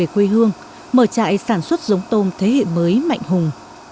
quê hương mở trại sản xuất giống tôm thế hệ mới mạnh hùng